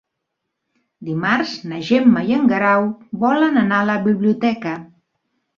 Dimarts na Gemma i en Guerau volen anar a la biblioteca.